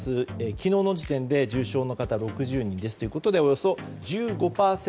昨日の時点で重症の方６０人ですということでおよそ１５％。